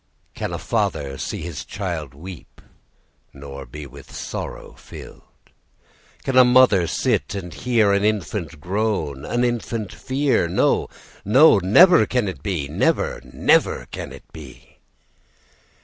Can a father see his child Weep, nor be with sorrow filled? Can a mother sit and hear An infant groan, an infant fear? No, no! never can it be! Never, never can it be!